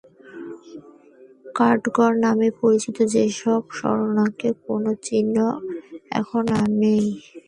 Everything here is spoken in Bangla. কাঠগড় নামে পরিচিত সেসব স্মারকের কোনো চিহ্ন এখন আর নেই।